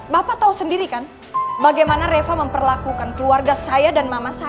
bapak tahu sendiri kan bagaimana reva memperlakukan keluarga saya dan mama saya